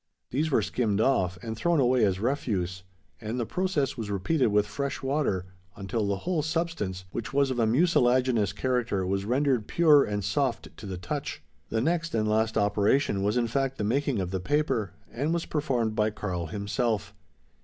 These were skimmed off, and thrown away as refuse; and the process was repeated with fresh water until the whole substance, which was of a mucilaginous character, was rendered pure, and soft to the touch. The next and last operation was in fact the making of the paper; and was performed by Karl himself.